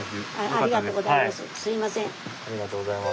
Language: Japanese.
ありがとうございます。